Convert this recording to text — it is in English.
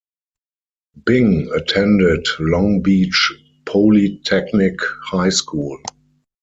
Bing attended Long Beach Polytechnic High School.